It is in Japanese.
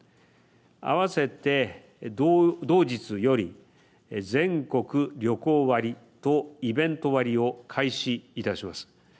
あわせて同日より、全国旅行割とイベント割を開始いたします。